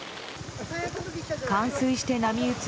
冠水して波打つ